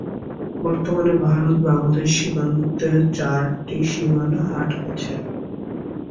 বর্তমানে ভারত-বাংলাদেশ সীমান্তে চারটি সীমানা হাট আছে।